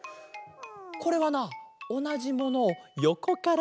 これはなおなじものをよこからみたかげだ。